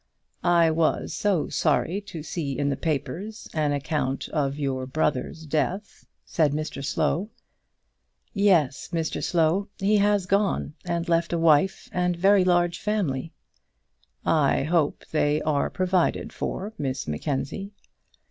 "I was so sorry to see in the papers an account of your brother's death," said Mr Slow. "Yes, Mr Slow; he has gone, and left a wife and very large family." "I hope they are provided for, Miss Mackenzie."